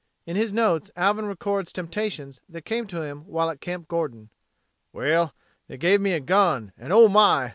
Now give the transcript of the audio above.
In his notes Alvin records temptations that came to him while at Camp Gordon: "Well they gave me a gun and, oh my!